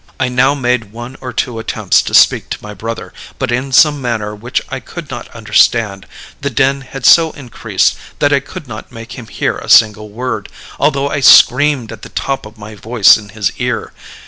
"I now made one or two attempts to speak to my brother; but in some manner which I could not understand, the din had so increased that I could not make him hear a single word, although I screamed at the top of my voice in his ear.